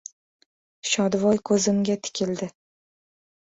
— Shodivoy ko‘zimga tikildi.